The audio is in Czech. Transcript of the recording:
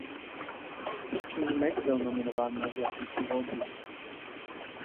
Snímek byl nominován na Zlatý glóbus.